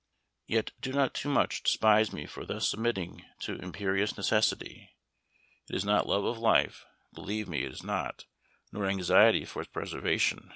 Yet do not too much despise me for thus submitting to imperious necessity it is not love of life, believe me it is not, nor anxiety for its preservation.